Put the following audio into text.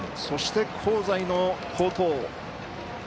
そして、香西の好投。